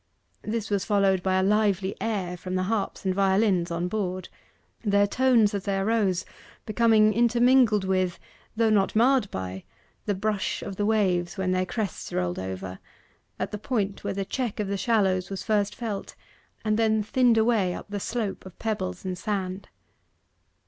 This was followed by a lively air from the harps and violins on board, their tones, as they arose, becoming intermingled with, though not marred by, the brush of the waves when their crests rolled over at the point where the check of the shallows was first felt and then thinned away up the slope of pebbles and sand.